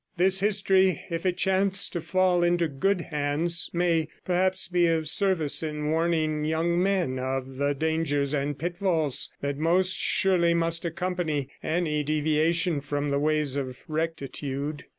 This history, if it chance to fall into good hands, may, perhaps, be of service in warning young men of the dangers and pitfalls that most surely must accompany any deviation from the ways of rectitude.